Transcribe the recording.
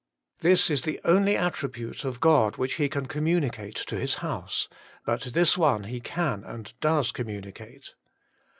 This is the only attribute of God which He can communicate to His house ; but this one He can and does communicate.